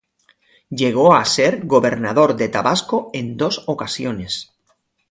Llegó a ser gobernador de Tabasco en dos ocasiones.